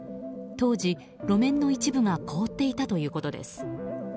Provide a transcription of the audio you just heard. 当時、路面の一部が凍っていたということです。